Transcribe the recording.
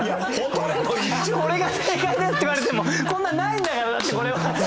これが正解ですって言われてもこんなんないんだよだってこれは。